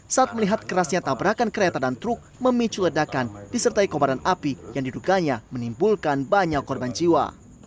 saat melihat kerasnya tabrakan kereta dan truk memicu ledakan disertai kobaran api yang diduganya menimbulkan banyak korban jiwa